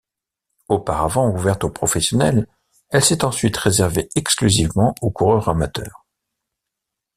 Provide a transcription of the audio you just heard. Auparavant ouverte aux professionnels, elle s'est ensuite réservée exclusivement aux coureurs amateurs.